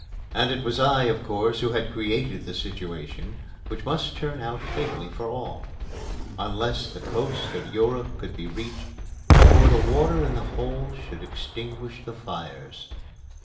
And it was I, of course, who had created the situation which must turn out fatally for all, unless the coast of Europe could be reached before the water in the hold should extinguish the fires.